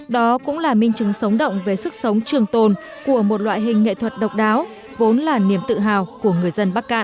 đó cũng là minh chứng sống động về sức sống trường tồn của một loại hình nghệ thuật độc đáo vốn là niềm tự hào của người dân bắc cạn